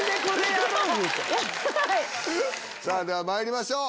ヤバい！ではまいりましょう！